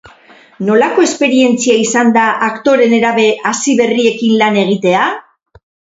Nolako esperientzia izan da aktore nerabe hasiberriekin lan egitea?